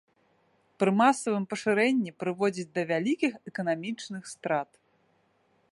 Пры масавым пашырэнні прыводзіць да вялікіх эканамічных страт.